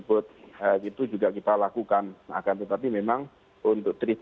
bene bagaimana pengumuman benmu anda itu ini di